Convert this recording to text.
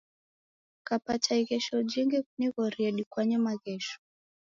Kapata ighesho jingi kunighorie dikwanye maghesho